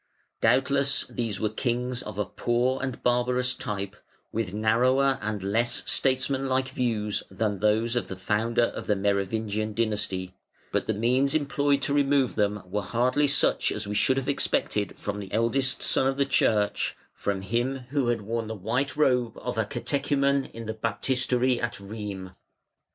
Doubtless these were kings of a poor and barbarous type, with narrower and less statesmanlike views than those of the founder of the Merovingian dynasty; but the means employed to remove them were hardly such as we should have expected from the eldest Son of the Church, from him who had worn the white robe of a catechumen in the baptistery at Rheims.